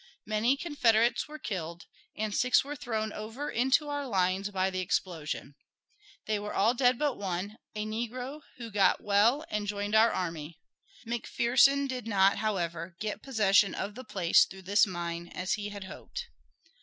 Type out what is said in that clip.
Many Confederates were killed, and six were thrown over into our lines by the explosion. They were all dead but one, a negro, who got well and joined our army. McPherson did not, however, get possession of the place through this mine, as he had hoped.